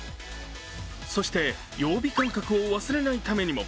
そして、曜日感覚を忘れないためにも